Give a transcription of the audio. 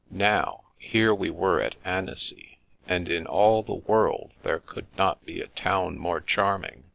Now, here we were at Annecy, and in all the world there could not be a town more charming.